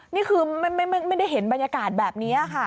นี่คือไม่ได้เห็นบรรยากาศแบบนี้ค่ะ